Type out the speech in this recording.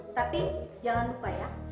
tapi jangan lupa ya